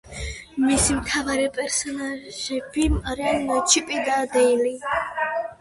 მისი მთავარი პერსონაჟები არიან ჩიპი და დეილი.